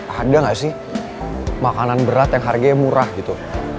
ada nggak sih makanan berat yang harganya murah gitu